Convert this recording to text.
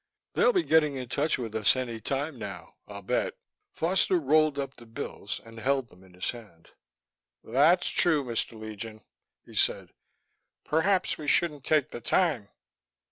"They'll be getting in touch with us any time now, I'll bet." Foster rolled up the bills and held them in his hand. "That's true, Mr. Legion," he said. "Perhaps we shouldn't take the time...."